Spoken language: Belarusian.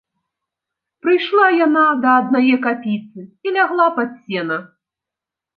Прыйшла яна да аднае капіцы і лягла пад сена.